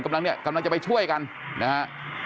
กำลังจะไปช่วยกันนะฮะ